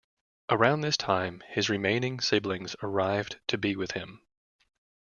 Around this time, his remaining siblings arrived to be with him.